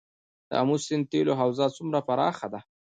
د امو سیند تیلو حوزه څومره پراخه ده؟